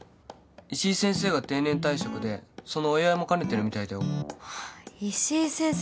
石井先生が定年退職でそのお祝いも兼ねてるみたいだよ石井先生